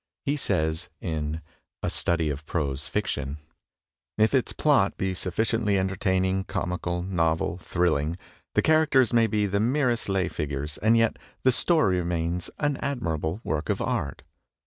He says, in "A Study of Prose Fiction:" "If its plot be sufficiently entertaining, comical, novel, thrilling, the characters may be the merest lay figures and yet the story remains an admirable work of art.